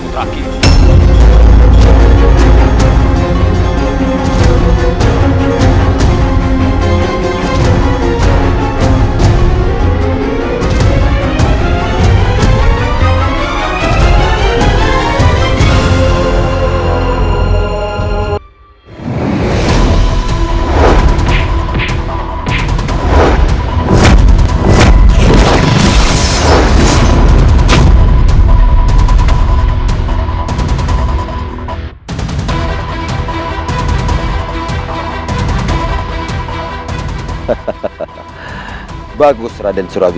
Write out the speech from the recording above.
untuk menerima serangan